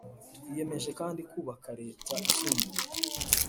Twiyemeje kandi kubaka leta ishingiye